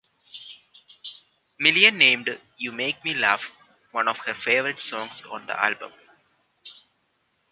Milian named "You Make Me Laugh" one of her favorite songs on the album.